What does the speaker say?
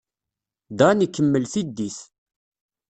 Dan ikemmel tiddit.